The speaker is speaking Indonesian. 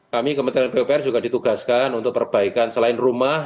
kami kementerian pupr juga ditugaskan untuk perbaikan selain rumah